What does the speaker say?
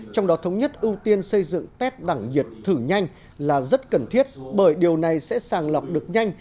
trong đó thống nhất ưu tiên xây dựng test đẳng nhiệt thử nhanh là rất cần thiết bởi điều này sẽ sàng lọc được nhanh